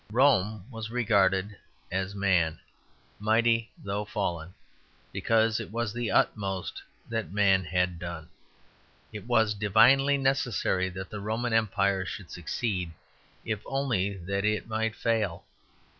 Rome was regarded as Man, mighty, though fallen, because it was the utmost that Man had done. It was divinely necessary that the Roman Empire should succeed if only that it might fail.